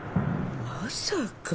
まさか。